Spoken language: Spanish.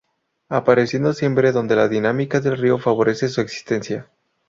Apareciendo siempre donde la dinámica del río favorece su existencia.